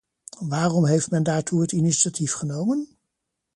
Waarom heeft men daartoe het initiatief genomen?